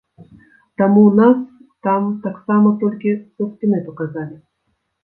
Таму нас там таксама толькі са спіны паказалі.